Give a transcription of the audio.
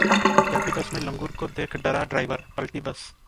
चलती बस में लंगूर को देख डरा ड्राइवर, पलटी बस